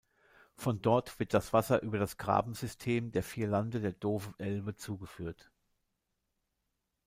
Von dort wird das Wasser über das Grabensystem der Vierlande der Dove Elbe zugeführt.